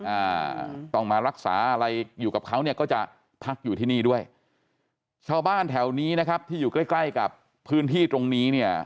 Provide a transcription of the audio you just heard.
อ่าต้องมารักษาอะไรอยู่กับเขาเนี่ยก็จะพักอยู่ที่นี่ด้วยชาวบ้านแถวนี้นะครับที่อยู่ใกล้ใกล้กับพื้นที่ตรงนี้เนี่ย